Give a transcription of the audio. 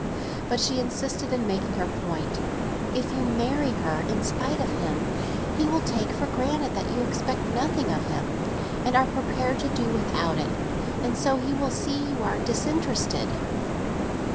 But she insisted on making her point. "If you marry her in spite of him, he will take for granted that you expect nothing of him, and are prepared to do without it. And so he will see that you are disinterested."